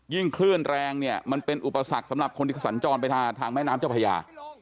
คลื่นแรงเนี่ยมันเป็นอุปสรรคสำหรับคนที่สัญจรไปทางแม่น้ำเจ้าพญา